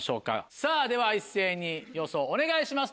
さぁでは一斉に予想お願いします